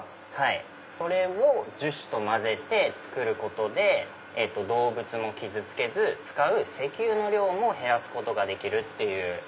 それを樹脂と混ぜて作ることで動物も傷つけず使う石油の量も減らすことができるっていう。